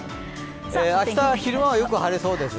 明日、昼間はよく晴れそうです。